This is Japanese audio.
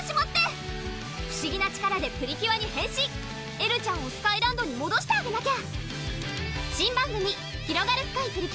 エルちゃんをスカイランドにもどしてあげなきゃ！